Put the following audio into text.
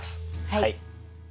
はい。